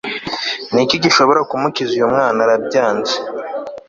Niki gishobora kumukiza uyu mwana arabyanze